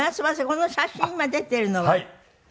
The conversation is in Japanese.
この写真今出てるのは。